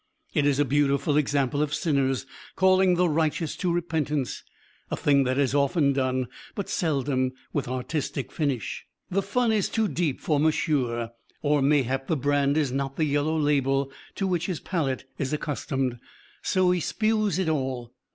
It is a beautiful example of sinners calling the righteous to repentance a thing that is often done, but seldom with artistic finish. The fun is too deep for Monsieur, or mayhap the brand is not the yellow label to which his palate is accustomed, so he spews it all.